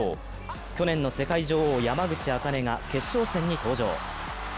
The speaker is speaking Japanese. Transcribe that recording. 去年の世界女王・山口茜が決勝戦に登場。